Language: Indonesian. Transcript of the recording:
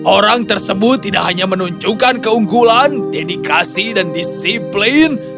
orang tersebut tidak hanya menunjukkan keunggulan dedikasi dan disiplin